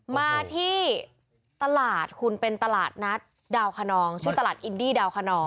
มาที่ตลาดคุณเป็นตลาดนัดดาวคนนองชื่อตลาดอินดี้ดาวคนอ